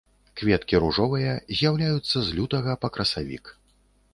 Кветкі ружовыя, з'яўляюцца з лютага па красавік.